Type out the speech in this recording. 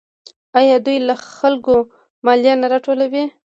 آیا دوی له خلکو مالیه نه راټولوي؟